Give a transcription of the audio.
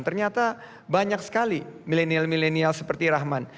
ternyata banyak sekali milenial milenial seperti rahman